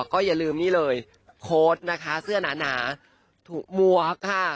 ก็อย่าลืมนี่เลยโค้ดนะคะเสื้อหนาถูกมวกค่ะ